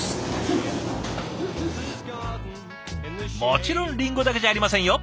もちろんリンゴだけじゃありませんよ。